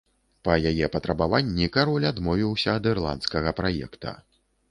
Па яе патрабаванні кароль адмовіўся ад ірландскага праекта.